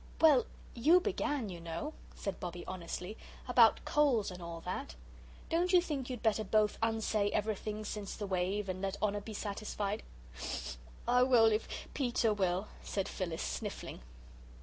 "Well, you began, you know," said Bobbie, honestly, "about coals and all that. Don't you think you'd better both unsay everything since the wave, and let honour be satisfied?" "I will if Peter will," said Phyllis, sniffling.